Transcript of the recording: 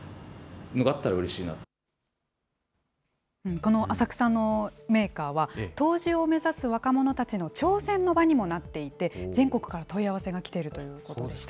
この浅草のメーカーは、杜氏を目指す若者たちの挑戦の場にもなっていて、全国から問い合わせが来ているということでした。